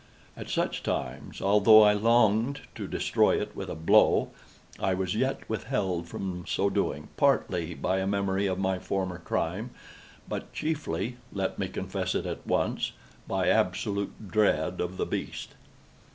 At such times, although I longed to destroy it with a blow, I was yet withheld from so doing, partly by a memory of my former crime, but chiefly—let me confess it at once—by absolute dread of the beast.